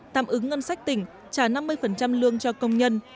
tạm ứng ngân sách tỉnh trả năm mươi lương cho công nhân